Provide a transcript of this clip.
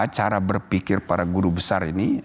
cara berpikir para guru besar ini